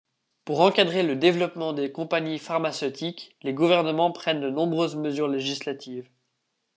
Pour encadrer le développement des compagnies pharmaceutiques, les gouvernements prennent de nombreuses mesures législatives.